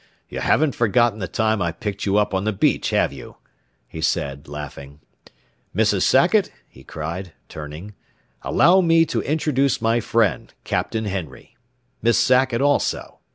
You haven't forgotten the time I picked you up on the beach, have you?" he said, laughing. "Mrs. Sackett," he cried, turning, "allow me to introduce my friend, Captain Henry. Miss Sackett, also.